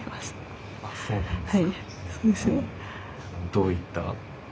どういった？